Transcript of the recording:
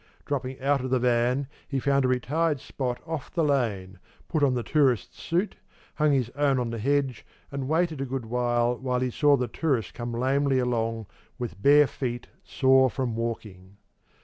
Dropping out of the van, he found a retired spot off the lane, put on the tourist's suit, hung his own on the hedge, and waited a good while till he saw the tourist come lamely along, with bare feet, sore from walking.